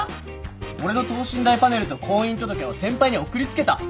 俺の等身大パネルと婚姻届を先輩に送り付けた？